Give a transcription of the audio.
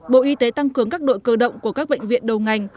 bộ y tế tăng cường các đội cơ động của các bệnh viện đầu ngành